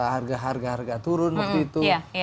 harga harga turun waktu itu